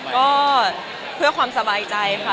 ก็เพื่อความสบายใจค่ะ